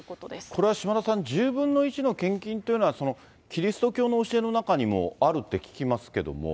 これは島田さん、１０分の１の献金というのは、そのキリスト教の教えの中にもあるって聞きますけども。